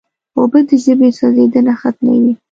اوبه د ژبې سوځیدنه ختموي.